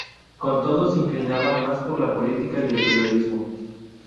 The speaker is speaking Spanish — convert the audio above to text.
Con todo se inclinaba más por la política y el periodismo.